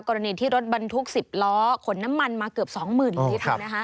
กรณีที่รถบรรทุก๑๐ล้อขนน้ำมันมาเกือบ๒๐๐๐ลิตร